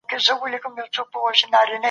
پښتو ژبه زموږ د ژوند د هر اړخ ملګرې ده